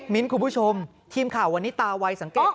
คุณผู้ชมทีมข่าววันนี้ตาวัยสังเกต